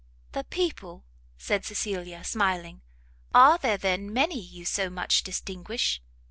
"The people?" said Cecilia, smiling, "are there, then, many you so much distinguish?"